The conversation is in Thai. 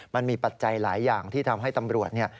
มันมีปัจจัยหลายอย่างที่ทำให้ตำรวจ